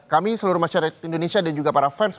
kami seluruh masyarakat indonesia dan juga para fans